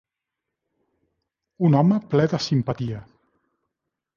Un home ple de simpatia.